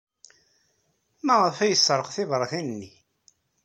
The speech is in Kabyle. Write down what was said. Maɣef ay yesserɣ tibṛatin-nni?